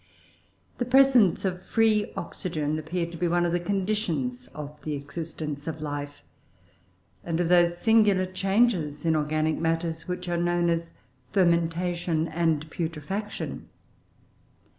The presence of free oxygen appeared to be one of the conditions of the existence of life, and of those singular changes in organic matters which are known as fermentation and putrefaction.